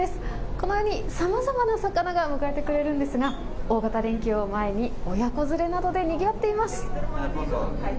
このようにさまざまな魚が迎えてくれるんですが、大型連休を前に親子連れなどでにぎわっています。